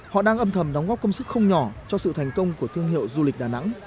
họ đang âm thầm đóng góp công sức không nhỏ cho sự thành công của thương hiệu du lịch đà nẵng